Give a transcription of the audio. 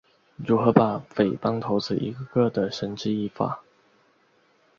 如何把匪帮头子一个个地绳之于法？